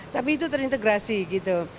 tapi itu terintegrasi gitu